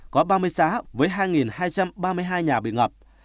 có ba mươi xã với hai hai trăm ba mươi hai nhà bị ngập